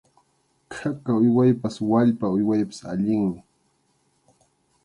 Khaka uywaypas wallpa uywaypas allinmi.